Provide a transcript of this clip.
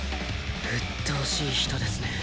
うっとうしい人ですね。